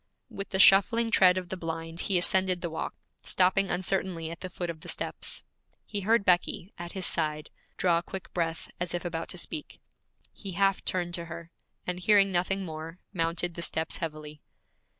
With the shuffling tread of the blind he ascended the walk, stopping uncertainly at the foot of the steps. He heard Becky, at his side, draw a quick breath, as if about to speak. He half turned to her, and hearing nothing more, mounted the steps heavily.